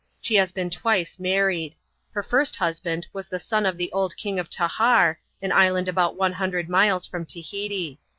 She has been twice married. Her first husband was a son of the old King of Tahar, an island about one hundred miles fi*om Tahiti.